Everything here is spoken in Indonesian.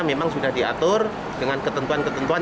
memang sudah diatur dengan ketentuan ketentuan